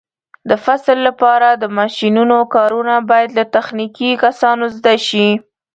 د فصل لپاره د ماشینونو کارونه باید له تخنیکي کسانو زده شي.